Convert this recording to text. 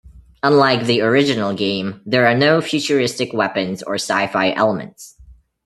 Unlike the original game, there are no futuristic weapons or sci-fi elements.